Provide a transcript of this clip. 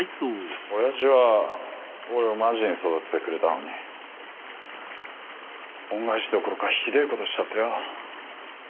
親父は俺をマジに育ててくれたのに恩返しどころかひでえことしちゃってよ。